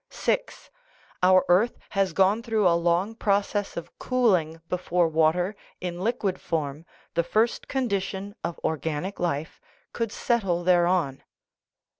(6) Our earth has gone through a long process of cooling before water, in liquid form (the first condition of organic life), could settle thereon.